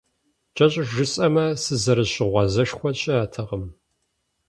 КӀэщӀу жысӀэмэ, сызэрыщыгъуазэшхуэ щыӀэтэкъым.